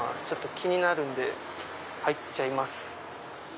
気になるんで入っちゃいます。